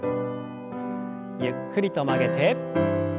ゆっくりと曲げて。